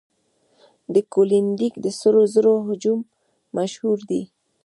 د کلونډیک د سرو زرو هجوم مشهور دی.